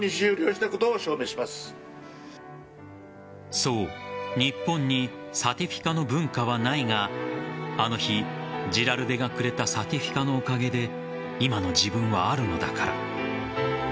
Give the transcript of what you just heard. そう、日本にサティフィカの文化はないがあの日、ジラルデがくれたサティフィカのおかげで今の自分はあるのだから。